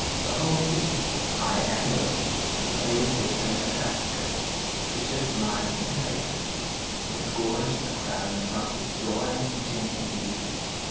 The whole city, high and low, the quays bordering the Patapsco, the ships lying in the basins, disgorged a crowd drunk with joy, gin, and whisky.